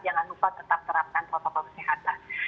jangan lupa tetap terapkan protokol kesehatan